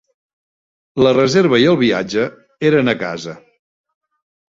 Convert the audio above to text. La reserva i el viatge eren a casa.